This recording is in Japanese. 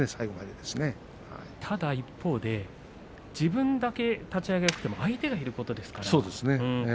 自分だけ立ち合いがよくても相手がいることですからね。